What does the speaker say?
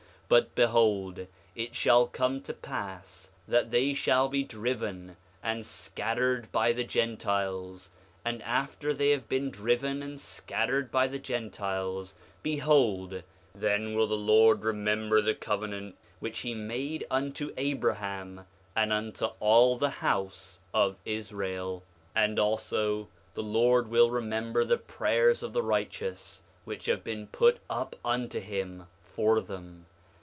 5:20 But behold, it shall come to pass that they shall be driven and scattered by the Gentiles; and after they have been driven and scattered by the Gentiles, behold, then will the Lord remember the covenant which he made unto Abraham and unto all the house of Israel. 5:21 And also the Lord will remember the prayers of the righteous, which have been put up unto him for them.